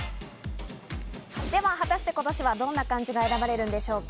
では、果たして今年はどんな漢字が選ばれるんでしょうか？